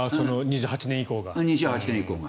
２８年以降が。